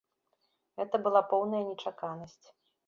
Гэта была поўная нечаканасць.